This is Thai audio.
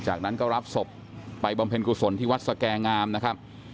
จากนั้นก็รับศพไปบำเพ็ญกุศลที่วัดสแก่งามนะครับ